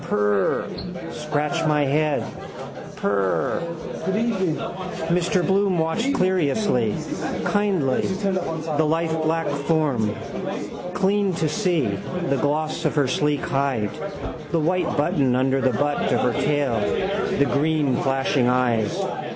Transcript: Prr. Scratch my head. Prr. Mr Bloom watched curiously, kindly the lithe black form. Clean to see: the gloss of her sleek hide, the white button under the butt of her tail, the green flashing eyes.